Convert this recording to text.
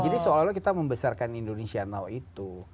jadi seolah olah kita membesarkan indonesia now itu